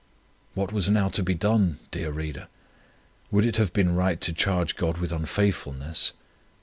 What was now to be done, dear Reader? Would it have been right to charge God with unfaithfulness?